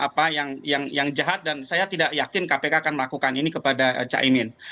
nah itu menurut saya satu hal yang jahat dan saya tidak yakin kpk akan melakukan ini kepada cak imin